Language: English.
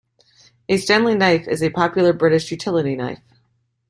A Stanley knife is a popular British utility knife